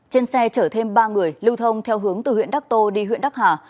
trên xe chở thêm ba người lưu thông theo hướng từ huyện đắc tô đi huyện đắc hà